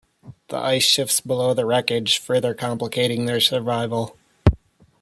The ice shifts below the wreckage, further complicating their survival.